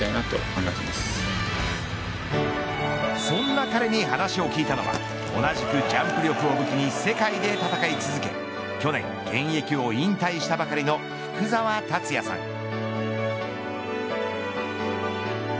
そんな彼に話を聞いたのは同じくジャンプ力を武器に世界で戦い続け去年、現役を引退したばかりの福澤達哉さん